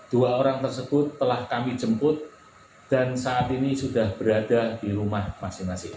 dua orang tersebut telah kami jemput dan saat ini sudah berada di rumah masing masing